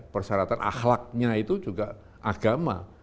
persyaratan ahlaknya itu juga agama